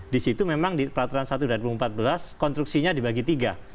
disitu memang di peraturan satu tahun dua ribu empat belas konstruksinya dibagi tiga